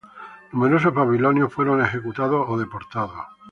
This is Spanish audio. Numerosos babilonios fueron ejecutados o deportados.